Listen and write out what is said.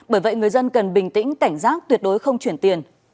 bởi vậy người dân cần bình tĩnh cảnh giác tuyệt đối không chuyển tiền